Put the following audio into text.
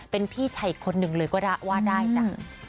เป็นพี่ชัยคนหนึ่งเลยก็ว่าได้นะ